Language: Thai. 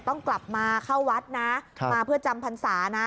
ต้องกลับมาเข้าวัดนะมาเพื่อจำพรรษานะ